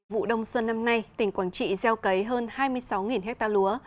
vụ đông xuân năm nay tỉnh quảng trị gieo cấy hơn hai mươi sáu ha lúa